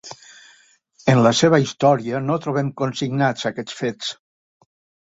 En la seva història no trobem consignats aquests fets.